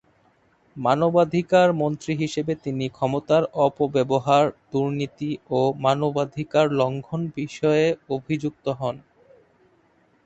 মানবাধিকার মন্ত্রী হিসেবে তিনি ক্ষমতার অপব্যবহার, দুর্নীতি ও মানবাধিকার লঙ্ঘন বিষয়ে অভিযুক্ত হন।